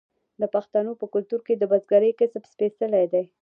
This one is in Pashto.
د پښتنو په کلتور کې د بزګرۍ کسب سپیڅلی دی.